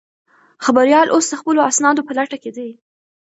خبریال اوس د خپلو اسنادو په لټه کې دی.